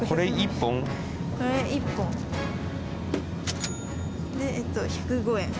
これ１本。でえっと１０５円。